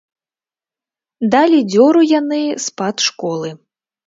Далі дзёру яны з-пад школы.